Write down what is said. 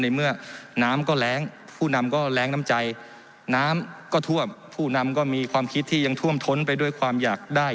ในเมื่อน้ำก็แรงผู้นำก็แรงน้ำใจน้ำก็ท่วมผู้นำก็มีความคิดที่ยังท่วมท้นไปด้วยความอยากได้